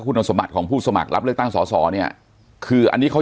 คุณสมบัติของผู้สมัครรับเลือกตั้งสอสอเนี่ยคืออันนี้เขา